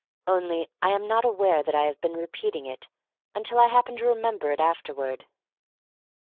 Only I am not aware that I have been repeating it until I happen to remem ber it afterward.